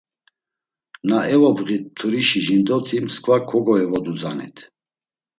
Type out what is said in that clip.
Na evobğit mturişi jindoti msǩva kogoyovoduzanit.